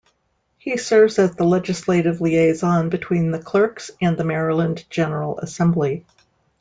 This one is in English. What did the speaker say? He serves as the legislative liaison between the Clerks and the Maryland General Assembly.